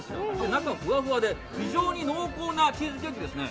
中はふわふわで非常に濃厚なチーズケーキですね。